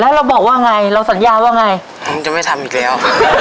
แล้วเราบอกว่าไงเราสัญญาว่าไงผมจะไม่ทำอีกแล้ว